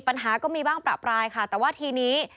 ปัญหาก็มีบ้างประปรายค่ะแต่ว่าทีนี้